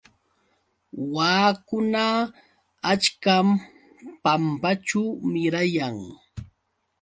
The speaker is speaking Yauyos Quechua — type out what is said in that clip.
Waakuna achkam pampaćhu mirayan.